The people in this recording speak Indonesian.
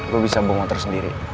gua bisa bawa motor sendiri